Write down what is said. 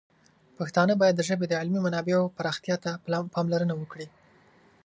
پښتانه باید د ژبې د علمي منابعو پراختیا ته پاملرنه وکړي.